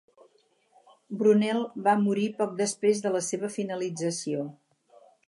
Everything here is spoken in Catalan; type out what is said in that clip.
Brunel va morir poc després de la seva finalització.